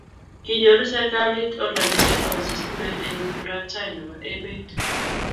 kiinyoru serikalit oldo ne lel nebo sistime eng' murot tai nebo emet